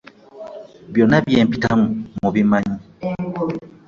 Byonna bye mpitamu mubimanyi.